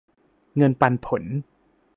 เงินปันผล